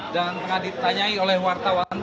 dan ditanyai oleh wartawan